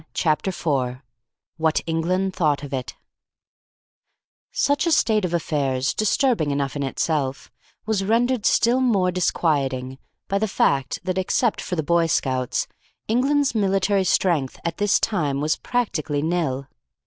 Chapter 4 WHAT ENGLAND THOUGHT OF IT Such a state of affairs, disturbing enough in itself, was rendered still more disquieting by the fact that, except for the Boy Scouts, England's military strength at this time was practically nil.